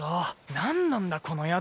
何なんだこの宿！